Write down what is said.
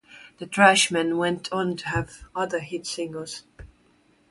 The Trashmen went on to have other hit singles.